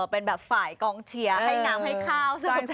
เป็นแบบฝ่ายกองเชียร์ให้น้ำให้ข้าวใช่ไหม